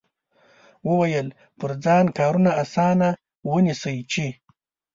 وویل پر ځان کارونه اسانه ونیسئ چې.